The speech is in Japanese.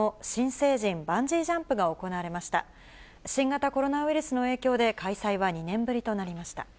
新型コロナウイルスの影響で、開催は２年ぶりとなりました。